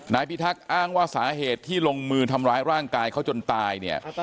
พิทักษ์อ้างว่าสาเหตุที่ลงมือทำร้ายร่างกายเขาจนตายเนี่ย